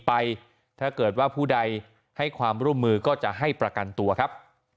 ถ้าเกิดว่าผู้ใดให้ความร่วมมือก็จะให้ประกันตัวครับ